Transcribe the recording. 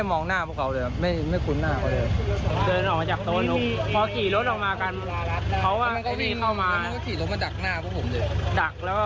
เยอะประมาณ๑๐การ์นิด